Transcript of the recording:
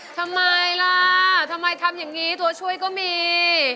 ทำไมล่ะทำไมทำอย่างนี้ตัวช่วยก็มี